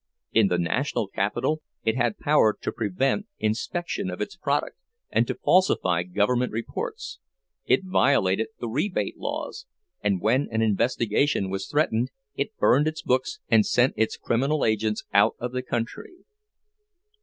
In the national capital it had power to prevent inspection of its product, and to falsify government reports; it violated the rebate laws, and when an investigation was threatened it burned its books and sent its criminal agents out of the country.